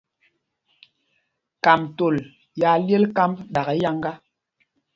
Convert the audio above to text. Kôm ndam yaa lyel kámb ɗakɛ yáŋgá.